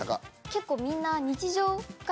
結構みんな。